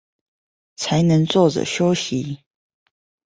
才能坐著休息